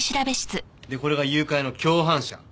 でこれが誘拐の共犯者。